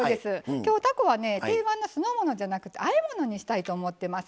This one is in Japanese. きょう、たこは、定番の酢の物じゃなくてあえ物にしたいと思います。